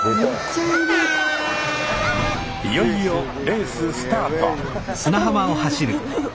いよいよレーススタート！